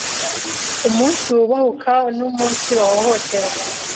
umunsibubahuka no umunsibahohotera